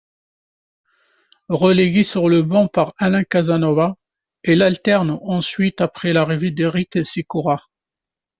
Relégué sur le banc par Alain Casanova, il alterne ensuite après l'arrivée d'Éric Sikora.